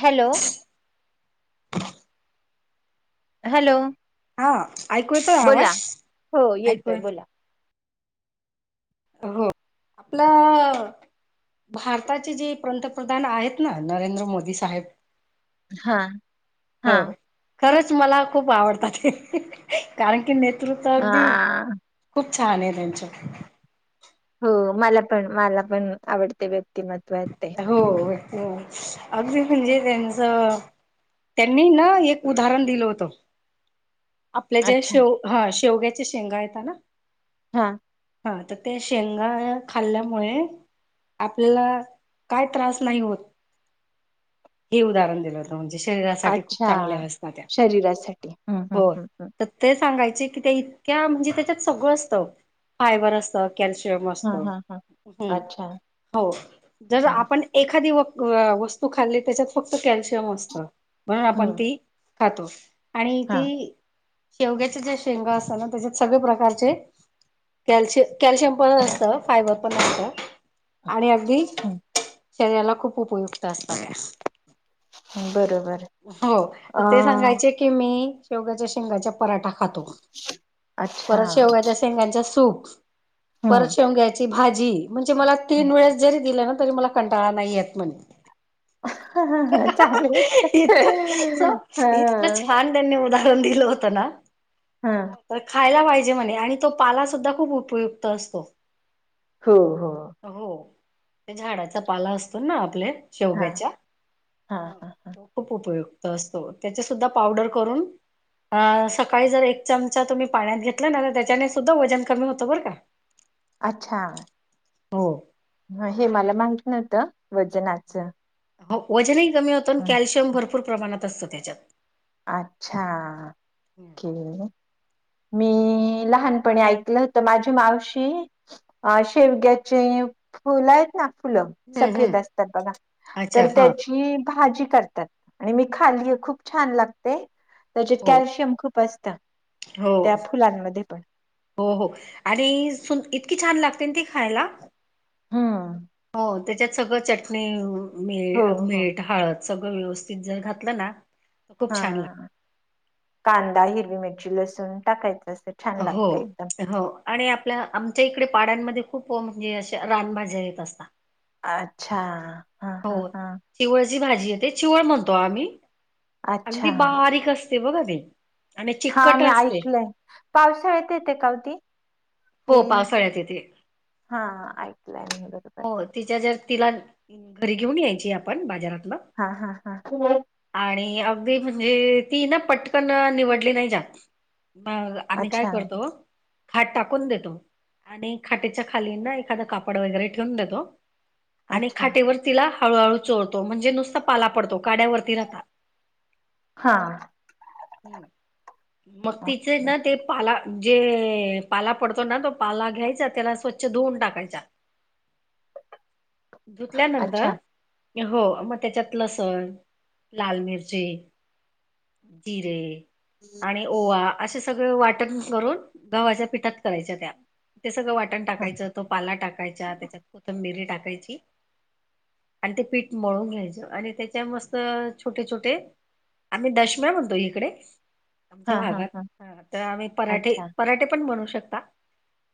Hello! Hello! हा ऐकू येतोय बोला आवाज हो येतोय ऐकूय! बोला हो आपला. भारताचे जे पंतप्रधान आहेत ना नरेंद्र मोदी साहेब. हा हा. हो खरंच मला खूप आवडतात ते कारण की नेतृत्व अ अगदी खूप. छान त्यांच. हो मला पण मला पण आवडते व्यक्तिमत्वात ते.. हो हो अगदी म्हणजे त्यांचं.. त्यांनी न एक उदाहरण दिलं होतं! आपले जे अच्छा शेव हा शेवग्याच्या शेंगा आहेत ना.. हा. हा तर ते शेंगा खाल्ल्यामुळे आपल्याला.. काय त्रास नाही होत हे उदाहरण दिलं जा.. ण शरीरासाठी खूप अच्छा चांगल्या अस त्या शरीरासाठी हम्म हम्म हो हम्म हम्म तर ते सांगाय.. इतक्या म्हणजे त्याच्यात सगळं असत फायबर असतं कॅल्शियम हा असत हा हा अच्छा जर ओके आपण एखादी वस्तू खाल्ली त्याच्यात फक्त कॅल्शियम असतं म्हणून आपण हम्म ती खातो आणि हा ती शेवग्याचे जे शेंगा असत ना त्याच्यात सगळे प्रकारचे कॅल्शि कॅल्शियम पण असत फायबर पण असत आणि अगदी हम्म शरीराला खूप उपयुक्त असत हम्म, बरोबर हो तर अ ते सांगायचे कि मी शेवग्याच्या शेंगाच्या पराठा खातो अच्छा परत शेवग्याच्या शेंगाचा सूप हम्म परचव घ्यायची भाजी म्हणजे मला तीन वेळेस जरी दिलं ना तरी मला कंटाळा नाही येत म्हणे चांगली गोष्ट इतकं हा इतक छान ध्य उद दि होत ना हा खायला पाहिे आणि तो पाला सुद्धा खूप उपयुक्त असतो हो हो हो झाडाचा पाला असतो ना आपल्या हा शेवग्याच्या हा हा हा. खूप उपयोग असतो त्याचे सुद्धा पावडर करून अ सकाळी जर एक चमचा तुम्ही पाण्यात घेतला ना तर त्याच्याने सुद्धा वजन कमी होत बरं का अच्छा हो ह हे मला माहित नव्हतं वजनाचं हो वजनही कमी होतं आणि हं. कॅल्शियम भरपूर प्रमाणात असतं त्याच्यात अच्छा हम्म के मी म लहानपणी ऐकलं होत माझी मावशी शेवग्याचे फुल आहेत ना फुलं हम्म सफेद असतात बघा अच्छा तर हा त्याची भाजी करतात आणि मी खाल्लीय खूप छान लागते त्याच्यात हो कॅल्शियम खूप असतं हो त्या फुलांमध्ये पण हो हो आणि इतकी छान लागते ते खायला हम्म हो त्याच्यात सगळं चटणी मी हो हो मीठ हळद सगळं व्यवस्थित जर घातलं ना तर खूप हा छान कांदा हिरवी मिरची लसूण टाकायच... हो हो आणि आपल्या आमच्या इकडे... पाड्यांमध्ये खूप म्हणजे अ रानभज्या येत असत. अच्छा... हा हा हो हा चिवळची भाजी आहे ते चिवळ म्हणतो आम्ही अगदी अच्छा बारीक असत... सिव की... हा मी ऐकलय पावसाळ्यात येते कावती.. हो पावसाळ्यात येथे... हा ऐकलंय मी बरोबर हो तिच्या जर तिला... घरी घेऊन यायची आपण बाजारातलं हा हा हा आणि अगदी म्हणजे... ती ना पटकन निवडली नाही जात म आम्ही काय अच्छा करतो खाट टाकतो... टाकून देतो. आणि खाटीच्या खालींना एखादं कापड वगैरे ठेवून देतो. आणि अच्छा खाटेवर तिला.. हळूहळू चोळतो म्हणजे नुसता पाला पडतो काड्यावररती राहता. हा.. मग तिचे ओके ना ते पाला जे.. पाला पडतो. ना तो पाला घ्यायचा त्याला स्वच्छ धुऊून टाकायचा. अच्छा धुतल्यानंतर.. हो मग त्याच्यात लसण लाल मिरची जिरे.. आणि ओवा असे सगळे वाटण करून गव्हाच्या पीठ.. करायच्या त्या ते सगळं वाटण हा टाकायचं तो पाला टाकायचा त्याच्यात कोथंबीरी टाकाय.. यची. आणि ते पीठ मळून घ्यायचं आणि त्याच्या मस्त छोटे छोटे... आम्ही दशम्या म्हणतो इकडे.. आमच्या हा हा भागात हा तर आम्ही पराठे अच्छा पराठे पण बनवू शकता.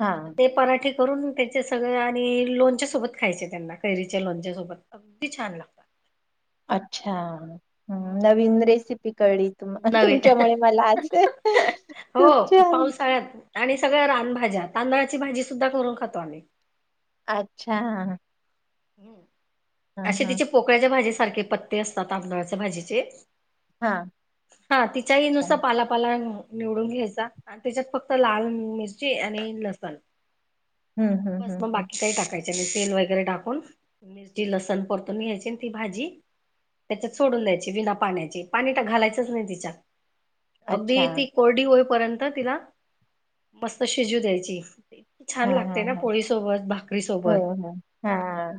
हा ते पराठे... करून त्याचे सगळं आणि लोणच्या सोबत खायचे त्यांना कैरीच्या लोणच्या सोबत अगदी छान लागतात. [inaudible] अच्छा हम् हम्म नवीन रेसिपी कळली नवीन तुमच्यामुळे मला आज खूप हो छान.. पावसाळ्यात आणि सगळ्या रानभाज्या तांदळाची भाजी सुद्धा करून खातो आम्ही... अच्छा... हम्म असे हा तिचे पोकळ्याच्या भाजी सारखे पत्ते असतात तादळाच्या भाजीचे.. हा हा तिच्याही अच्छा नुसत पालापाला.. निवडून घ्यायचा त्याच्यात फक्त लाल मिरची आणि लसण... हम्म हम्म बस हम्म मग हम्म बाकी काही टाकायच्या म सेल वगैरे टाकून... मिरची लसण परतून घ्यायची ती भाजी... त्याच्यात सोडून द्यायची विना पाण्याची पाणी तर घालायचंच नाही तिच्या... अच्छा अगदी ती कोरडी होईपर्यंत तिला मस्त शिजू द्यायची... की हा छान हा लागते ना हा पोळीसोबत हो भाकरीसोबत... हो हा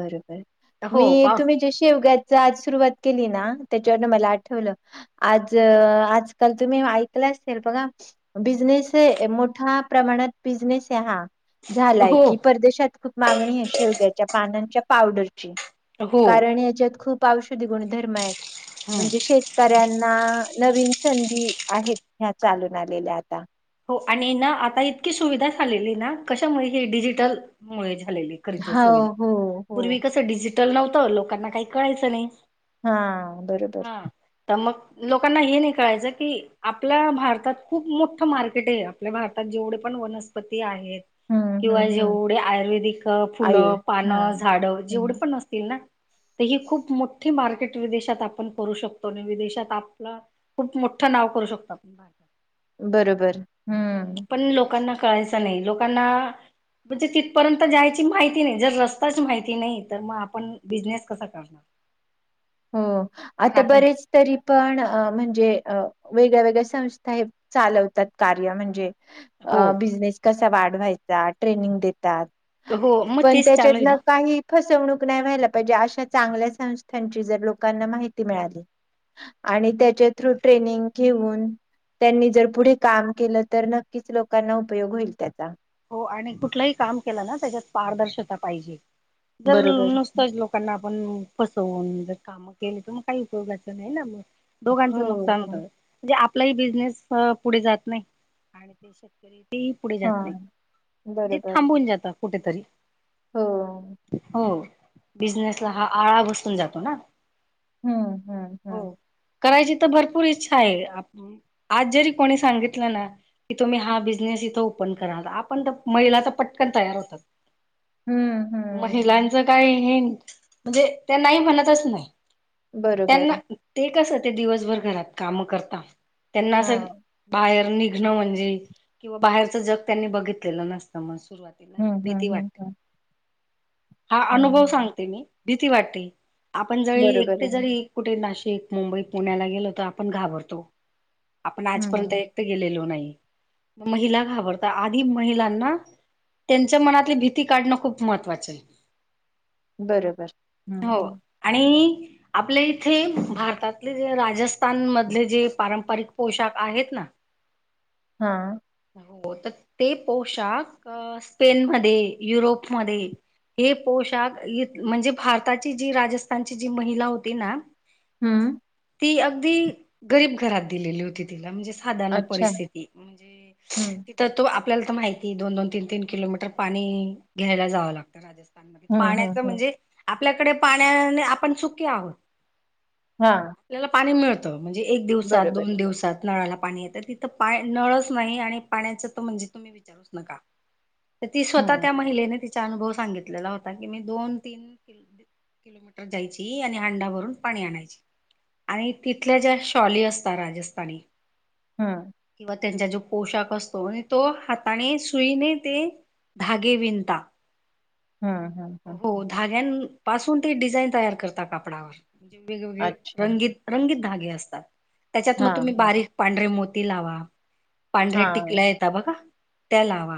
बरोबर मी हो पा तुम्ही जे शेवग्याच आज सुरुवात केली ना.. त्याच्यावर मला आठवलं आज आजकाल तुम्ही ऐकल असेल बघा... बिझनेस मोठ्या प्रमाणात बिझनेस आहे हा... झालाय हो की परदेशात खूप मागणी आहे शेवग्याच्या पानांच्या पावडरची.. हो कारण याच्यात खूप औषधी गुणधर्म आहेत हम्म म्हणजे शेतकऱ्यांना... नवीन संधी आहेत ह्या चालून आलेल्या आता... हो आणि ना आता इतकी सुविधा झालेली ना कशामुळे हे डिजिटल मुळेच.... झारी तर हो सोय हो हो. पूर्वी कसं डिजिटल नव्हतं लोकांना काही कळायचं नाही... हा बरोबर.... हा तर मग लोकांना हे नाही कळायचं की आपल्या भारतात खूप मोठं मार्केट... टे आपल्या भारतात जेवढे पण वनस्पती आहेत. हं हं किंवा हं. जेवढे आयुर्वेदिक फुलं, आयुर पानं, हां. झाडं हं. जेवढे पण असतील ना? तर ही खूप मोठी मार विदेशात आपण करू शकतो आणि विदेशात आपलं खूप मोठं नाव करू शकतो आपण बरोबर. हम्म. हं. पण लोकांना कळायचं नाही लोकांना म्हणजे तिथपर्यंत जायची माहिती नाही, जर रस्ताच माहिती नाही तर मग आपण बिझनेस कसा करणार. हो. आता बरेच तरी पण अ म्हणजे अ वेगळ्या वेगळ्या संस्था हे चालवतात कार्य म्हणजे हो बिझनेस कस च्या वाढवायचं ट्रेनिंग देतात, हो मग पण तेच चालू त्याच्यात आहे ना काही फसवणूक नाही व्हायला पाहिजे, अशा चांगल्या संस्थांची जर लोकांना माहिती मिळाली. आणि त्याच्या थ्रू ट्रेनिंग घेऊन त्यांनी जर पुढे काम केलं तर नक्कीच लोकांना उपयोग होईल त्याचा. हो आणि कुठलाही काम केलं ना त्याच्यात पारदर्शता पाहिजे. जर बरोबर. नुसतंच लोकांना आपण फसवून ज काम केली तर म काही उपयोगाचं नाही म दोघांचं हो. नुकसान होतं आपलाही बिझनेस पुढे जात नाही आणि ते शेतकरी ते पुढे जात नाही. हां. म्हणजे बरोबर. थांबून जात कुठेतरी हो. हो. बिझनेस ला हा आळा बसून जातो ना. हं, हं, हं. हो. करायची तर भरपूर इच्छा आहे. आज जरी कोणी सांगितलं ना की तुम्ही हा बिझनेस तिथं ओपन करा. पण महिलाच पटकन तयार होतात. हम्म हम्म महिलांचं काय म्हणजे त्यां नाही म्हणतच नाही. बरोबर त्यांना ते कस ते दिवसभर घरात काम करता त्यांना हा असं बाहेर निघण म्हणजे किंवा बाहेरच जग त्यांनी बघितलेलं नसत. सुरुवातीला आहे हम्म ना भीती हम्म हम्म वाटते. हम्म हा अनुभव हम्म सांगते मी. भीती वाटते आपण जरी बरोबर एकटे आहे जरी कुठे नाशिक मुंबई, पुण्याला गेलो तर आपण घाबरतो. आपण आजपर्यंत हम्म एकट गेलेलो नाही. महिला घाबरता आधी महिलांना त्यांच्या मनातली भीती काढणं खूप महत्त्वाचं आहे. बरोबर हो. हम्म आणि आपल्या इथे भारतातले जे राजस्थान मधले जे पारंपरिक पोशाख आहेत ना [unintelligible] हा. हो. तर ते पोशाख स्पेनमध्ये, युरोपमध्ये हे पोशाख म्हणजे भारताची जी राजस्थानची जी महिला होती ना? हम्म. ती अगदी गरीब घरात दिलेली होती तिला, म्हणजे साधारण अच्छा परिस्थिती म्हणजे हम्म तिथं तो आपल्याला तर माहिती दोन- दोन, तीन- तीन किलोमीटर पाणी घ्यायला जावं लागतं राजस्थान हम्म पाण्याच हम्म हम्म म्हणजे आपल्याकडे पाण्याने आपण सुखी आहोत. हा आपल्याला पाणी मिळतं म्हणजे एक दिवसात, बरोबर दोन दिवसात. नळाला पाणी येतं तिथं नळच नाही आणि पाण्याच तर म्हणजे तुम्ही विचारूच नका. तर ती स्वतः हम्म त्या महिलेने तिचा अनुभव सांगितलेला होता की मी दोन, तीन किलोमीटर जायची आणि हांडावररून पाणी आणायची. आणि तिथल्या ज्या शॉली असतात राजस्थानी. हं. किंवा त्यांचा जो पोशाख तो आणि तो हाताने सुईने ते धागे विणता. हम्म हम्म हम्म हो धाग्यां पासून ते डिझाईन तयार करतात कापडावर. म्हणजे वेगवेगळे अच्छा रंगीत रंगीत धागे असतात. त्याच्यात हा मग तुम्ही हा बारीक पांढरे मो तिलावा हा बघा त्या लावा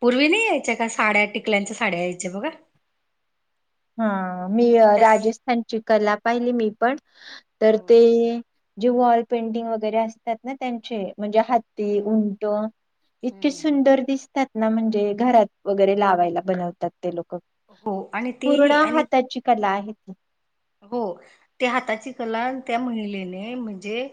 पूर्वी नाही यायच्या का साड्या टिकल्यांच्या साड्या यायच्या बघा, [unintelligible] हा मी त्या राजस्थानची कला पाहिली मी पण तर हो ते जे वॉल पेंटिंग वगैरे असतात ना त्यांचे म्हणजे हम्म, उंट हम्म, इतकीे हम्म, हम्म. सुंदर दिसतात. ना म्हणजे घरात वगैरे लावायला बनवतात ते लोक हो आणि पूर्ण तेही आणि हाताची कला आहे ती हो त्या हाताची कला त्या महिलेने म्हणजे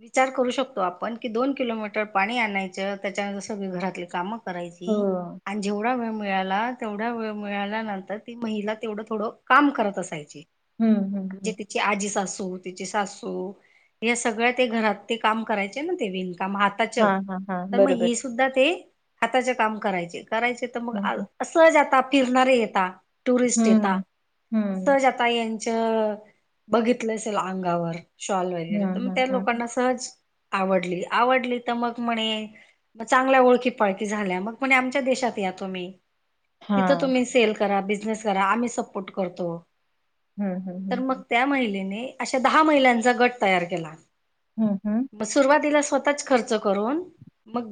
विचार करू शकतो आपण कि दोन किलोमीटर पाणी आणायचं त्याच्यानंतर सगळी घरातली कामं हो करायची आणि जेवढा वेळ मिळाला तेवढ्या वेळ मिळाल्यानंतर ती महिला तेवढं थोडं काम करत असायची. हम्म हम्म म्हणजे हम्म तिची आजी सासू तिची सासू हे सगळं घरात काम कराय काम हाताच हा हा हा तर मग बरोबर हि सुद्धा ते हाताच काम करायचे. करायचे तर मग हम्म असंज आता फिरणारे येताात, टुरिस्ट येेत हम्म हम्म. मतज आता यांच बघितलं असेल अंगावर शॉल वगैरे हम्म तर हम्म मग हम्म त्या हम्म लोकांना सहज आवडली आवडली तर मग म्हणे चांगल्या ओळखी पाळखी झाल्या मग म्हणे आमच्या देशात [unintelligible] तुम्ही हा तिथं तुम्ही सेल करा बिझनेस करा आम्ही सपोर्ट करतो हम्म तर हम्म मग हम्म त्या महिलेने अशा दहा महिलांचा गट तयार केला हम्म हम्म मग सुरुवातीला स्वतः आच खर्च करून मग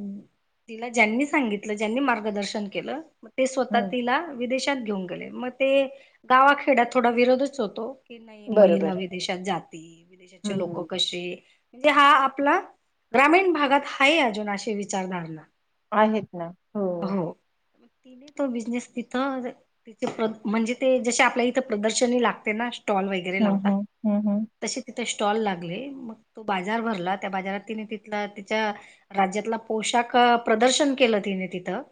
तिला ज्यांनी सांगितलं ज्यांनी मार्गदर्शन केलं ते स्वतः हम्म तिला विदेशात घेऊन गेले मग ते गावाखेड्यात थोडा विरोधच होतो की नाही महिला बरोबर विदेशात जाते विदेशाचे लोकं हम्म कसे म्हणजे हा आपला ग्रामीण भागात हाय अजून अशी विचारधारणा आहेत ना हो तिने तो बिझनेस तिथं ति म्हणजे ते जसे आपल्या इथं प्रदर्शनी लागते ना स्टॉल वगैरे हम्म लावता हम्म हम्म हम्म तशे तिथ स्टॉल लागले मग तो बाजार भरला त्या बाजारात तिने ते -तिथलं तिच्या राज्यातला पोशाख शाख प्रदर्शन केलं तिने तिथं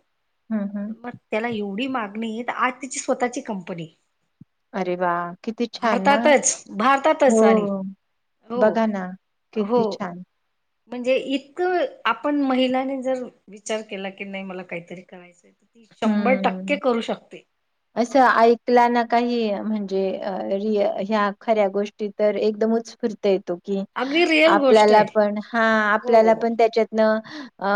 हम्म हम्म मग त्याला एवढी मागणी तर आज तिची स्वतःची कंपनी अरे वा किती छान ना भारतातच हो भारतातच आणि हो बघा ना हो कीती छान म्हणजे इतकं आपण महिलाने जर विचार केला की नाही मला काहीतरी करायचंय ती शंभर टक्के हम्म करू शकते असं ऐकला ना काही म्हणजे अ.. रि- ह्या खऱ्या गोष्टी तर एकदम उच फूर्थ येतो कि अगदी रिअल गोष्ट आपल्याला आहे पण हा.. हो आपल्याला पण त्याच्यातनं अ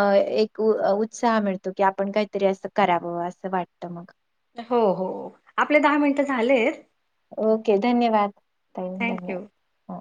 एक अ.. अ उत्साह मिळतो की आपण काहीतरी असं करावं असं वाटतं मग हो हो आपले दहा मिनट झालेत ओके धन्यवाद धन्यवा थँक्यू ह